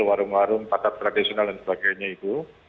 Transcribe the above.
warung warung pasar tradisional dan sebagainya itu